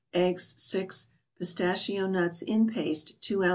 Eggs, 6; Pistachio Nuts (in paste), 2 oz.